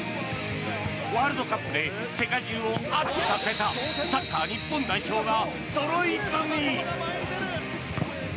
ワールドカップで世界中を熱くさせたサッカー日本代表がそろい踏み！